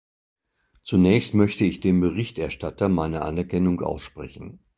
Zunächst möchte ich dem Berichterstatter meine Anerkennung aussprechen.